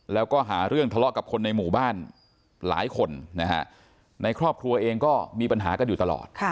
แล้วก็หาเรื่องทะเลาะกับคนในหมู่บ้านหลายคนนะฮะในครอบครัวเองก็มีปัญหากันอยู่ตลอด